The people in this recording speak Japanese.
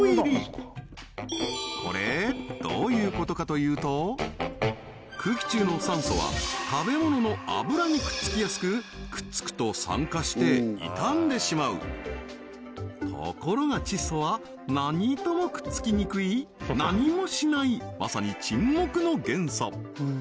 はいそうこれ空気中の酸素は食べ物の油にくっつきやすくくっつくと酸化して傷んでしまうところが窒素は何ともくっつきにくい何もしないまさに沈黙の元素